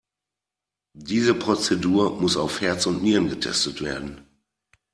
Diese Prozedur muss auf Herz und Nieren getestet werden.